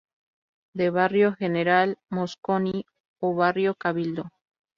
De barrio Gral Mosconi a barrio Cabildo.